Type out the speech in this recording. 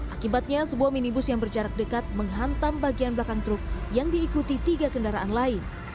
akibatnya sebuah minibus yang berjarak dekat menghantam bagian belakang truk yang diikuti tiga kendaraan lain